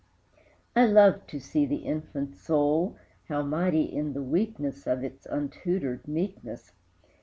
I loved to see the infant soul (How mighty in the weakness Of its untutored meekness!)